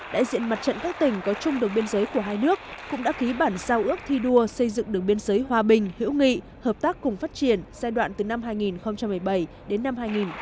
đại diện mặt trận các tỉnh có chung đường biên giới của hai nước cũng đã ký bản giao ước thi đua xây dựng đường biên giới hòa bình hữu nghị hợp tác cùng phát triển giai đoạn từ năm hai nghìn một mươi bảy đến năm hai nghìn một mươi tám